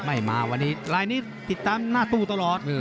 ไม่มาวันนี้ลายนี้ติดตามหน้าตู้ตลอด